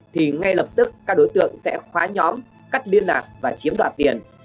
thì ngay lập tức các đối tượng sẽ khóa nhóm cắt liên lạc và chiếm đoạt tiền